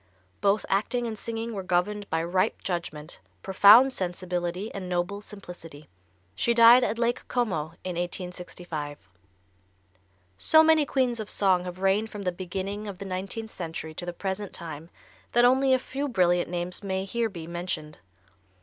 Both acting and singing were governed by ripe judgment, profound sensibility and noble simplicity. She died at Lake Como in 1865. So many queens of song have reigned from the beginning of the nineteenth century to the present time that only a few brilliant names may here be mentioned.